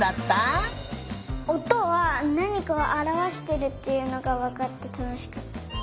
おとはなにかをあらわしてるっていうのがわかってたのしかった。